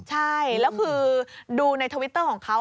ใช่แล้วคือดูในทวิตเตอร์ของเขา